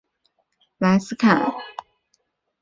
莱斯坎。